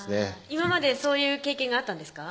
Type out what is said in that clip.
今までそういう経験があったんですか？